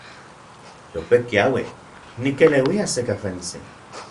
Yope kiaui, nikeleuia se kafentsi.